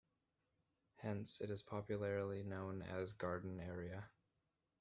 Hence it is popularly known as 'Garden' area.